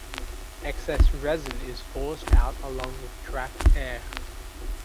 Excess resin is forced out along with trapped air.